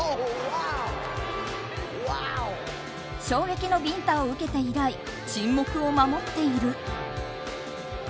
衝撃のビンタを受けて以来沈黙を守っている。